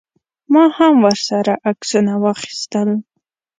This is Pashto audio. ما هم ورسره عکسونه واخیستل.